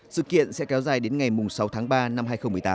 sự kiện sẽ kéo dài đến ngày sáu tháng ba năm hai nghìn một mươi tám